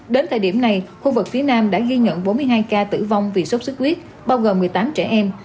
đến thời điểm này khu vực phía nam đã ghi nhận bốn mươi hai ca tử vong vì sốt xuất huyết bao gồm một mươi tám trẻ em